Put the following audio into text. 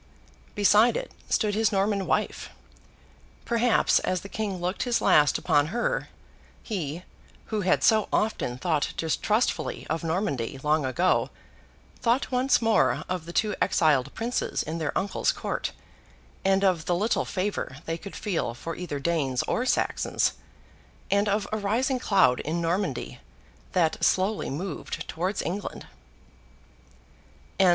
Beside it, stood his Norman wife. Perhaps, as the King looked his last upon her, he, who had so often thought distrustfully of Normandy, long ago, thought once more of the two exiled Princes in their uncle's court, and of the little favour they could feel for either Danes or Saxons, and of a rising cloud in Normandy that slowly moved towards England.